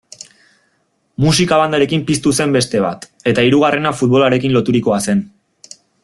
Musika-bandarekin piztu zen beste bat, eta hirugarrena futbolarekin loturikoa zen.